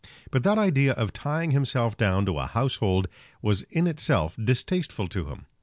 But that idea of tying himself down to a household was in itself distasteful to him.